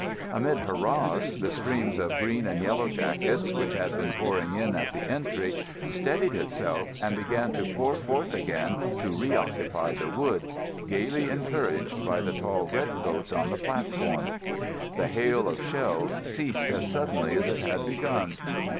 Amid hurrahs the streams of green and yellow jackets, which had been pouring in at the entry, steadied itself and began to pour forth again to reoccupy the wood, gaily encouraged by the tall red coats on the platform. The hail of shells ceased as suddenly as it had begun.